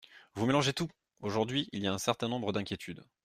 Vous mélangez tout ! Aujourd’hui, il y a un certain nombre d’inquiétudes.